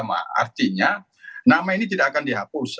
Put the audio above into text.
artinya nama ini tidak akan dihapus